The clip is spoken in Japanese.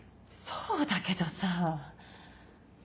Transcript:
そうだけどさぁ。